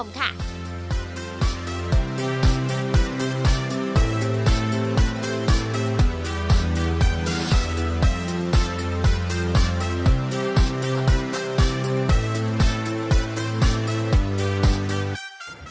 เริ่มต้นร้านค่ะ